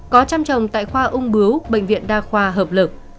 có chăm chồng tại khoa ung bứu bệnh viện đa khoa hợp lực